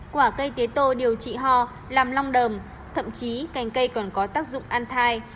quả cây tế tô điều trị ho làm long thậm chí cành cây còn có tác dụng ăn thai